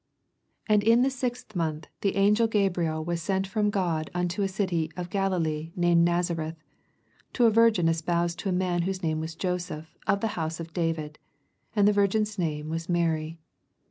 S6 And ID the sixtli month the an^el Gabriel was sent from God unto a city of Galilee, named Nazareth, 27 To a virgin espoused to a man whose name was Joseph, of the hoase of David ; and the Virginia name was Mary.